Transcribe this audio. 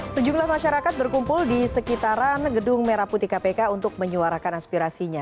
sejumlah masyarakat berkumpul di sekitaran gedung merah putih kpk untuk menyuarakan aspirasinya